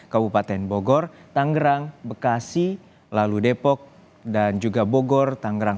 kabupaten bogor tanggerang bekasi lalu depok dan juga bogor tangerang